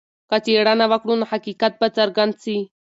که څېړنه وکړو نو حقیقت به څرګند سي.